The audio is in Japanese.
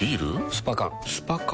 スパ缶スパ缶？